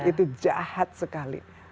itu jahat sekali